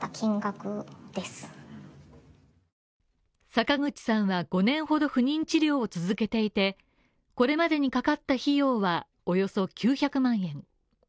坂口さんは５年ほど不妊治療を続けていて、これまでにかかった費用はおよそ９００万円。